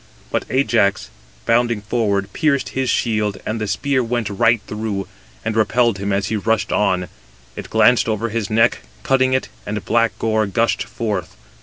But Ajax, bounding forward, pierced his shield: and the spear went right through, and repelled him as he rushed on: it glanced over his neck, cutting it, and black gore gushed forth.